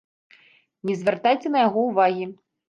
Не звяртайце на яго ўвагі.